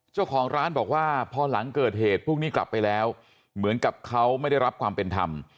เจ้าของร้านบอกว่าพอหลังเกิดเหตุพวกนี้กลับไปแล้วเหมือนกับเขาไม่ได้รับความเป็นธรรม